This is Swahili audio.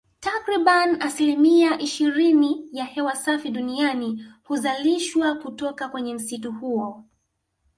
Takribani asilimia ishirini ya hewa safi duniani huzalishwa kutoka kwenye msitu huo